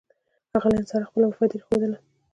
هغه له انسان سره خپله وفاداري ښودله.